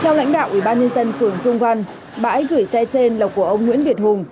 theo lãnh đạo ủy ban nhân dân phường trung văn bãi gửi xe trên là của ông nguyễn việt hùng